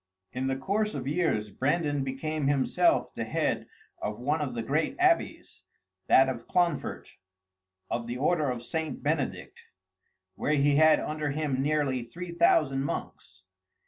In the course of years, Brandan became himself the head of one of the great abbeys, that of Clonfert, of the order of St. Benedict, where he had under him nearly three thousand monks.